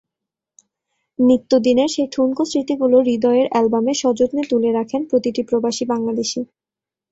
নিত্যদিনের সেই ঠুনকো স্মৃতিগুলো হৃদয়ের অ্যালবামে সযত্নে তুলে রাখেন প্রতিটি প্রবাসী বাংলাদেশি।